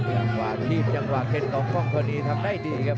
อย่างว่าทีบอย่างว่าเท็จของกรรมทรณีทำได้ดีครับ